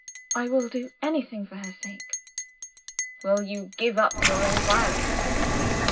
"I will do anything for her sake." "Will you give up your inquiries?"